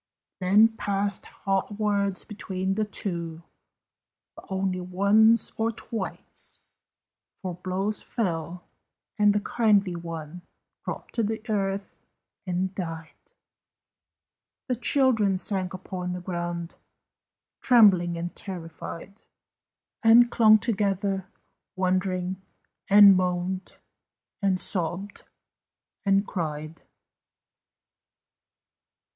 Then passed hot words between the two, But only once or twice, For blows fell, and the kindly one Dropped to the earth and died; The children sank upon the ground, Trembling and terrified, And clung together, wondering, And moaned, and sobbed, and cried.